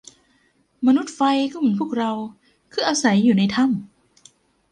มนุษย์ไฟก็เหมือนพวกเรา คืออาศัยอยู่ในถ้ำ